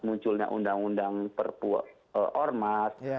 munculnya undang undang perpu ormas